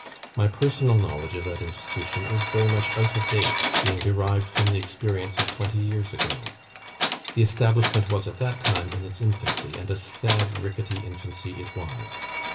My personal knowledge of that institution is very much out of date, being derived from the experience of twenty years ago. The establishment was at that time in its infancy, and a sad rickety infancy it was.